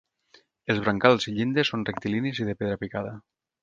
Els brancals i llindes són rectilinis i de pedra picada.